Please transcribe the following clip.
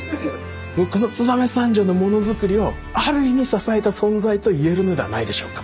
この燕三条のモノづくりをある意味支えた存在と言えるのではないでしょうか。